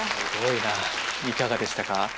いかがでしたか？